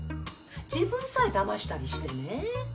自分さえだましたりしてね。